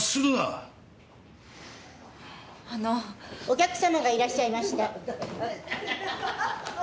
お客さまがいらっしゃいました。